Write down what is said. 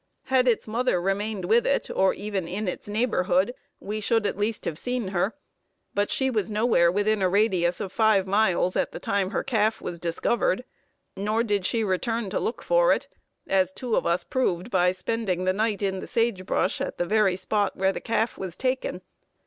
Had its mother remained with it, or even in its neighborhood, we should at least have seen her, but she was nowhere within a radius of 5 miles at the time her calf was discovered. Nor did she return to look for it, as two of us proved by spending the night in the sage brush at the very spot where the calf was taken.